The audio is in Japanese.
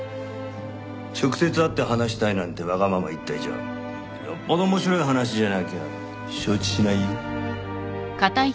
直接会って話したいなんてわがまま言った以上よっぽど面白い話じゃなきゃ承知しないよ。